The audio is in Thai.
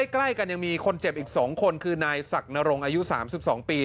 ใกล้กันยังมีคนเจ็บอีก๒คนคือนายศักดรงอายุ๓๒ปี